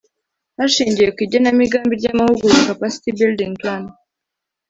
Hashingiwe ku igenamigambi ry amahugurwa Capacity building plan